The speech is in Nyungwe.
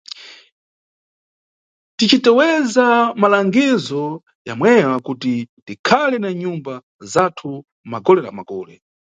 Ticiteweza malangizo yamweya kuti tikhale na nyumba zathu magole na magole.